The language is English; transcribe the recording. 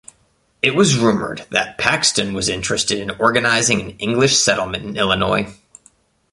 It was rumored that Paxton was interested in organizing an English settlement in Illinois.